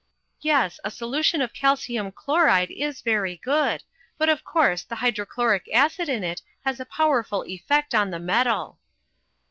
"Yes, a solution of calcium chloride is very good, but of course the hydrochloric acid in it has a powerful effect on the metal."